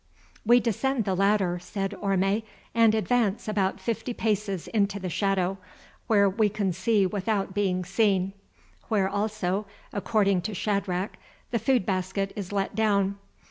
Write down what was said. "We descend the ladder," said Orme, "and advance about fifty paces into the shadow, where we can see without being seen; where also, according to Shadrach, the food basket is let down.